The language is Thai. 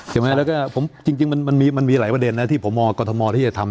จริงมันมีหลายประเด็นที่ผมมองกฎมอลที่จะทำ